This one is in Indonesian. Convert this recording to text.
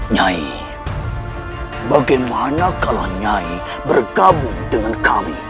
nyai bagaimana kalau nyai bergabung dengan kami